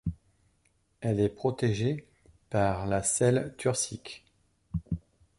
Elle est protégée par la selle turcique.